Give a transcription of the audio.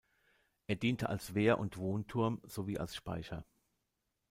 Er diente als Wehr- und Wohnturm sowie als Speicher.